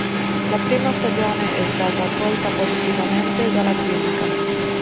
La prima stagione è stata accolta positivamente dalla critica.